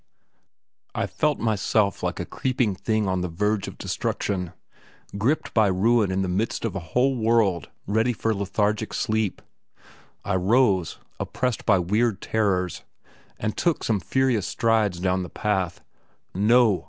I felt myself like a creeping thing on the verge of destruction, gripped by ruin in the midst of a whole world ready for lethargic sleep. I rose, oppressed by weird terrors, and took some furious strides down the path. "No!"